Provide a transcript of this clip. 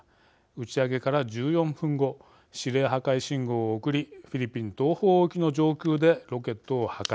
打ち上げから１４分後指令破壊信号を送りフィリピン東方沖の上空でロケットを破壊。